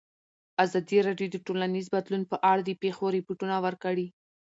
ازادي راډیو د ټولنیز بدلون په اړه د پېښو رپوټونه ورکړي.